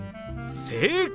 正解！